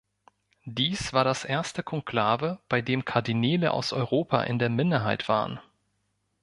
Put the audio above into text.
Dies war das erste Konklave, bei dem Kardinäle aus Europa in der Minderheit waren.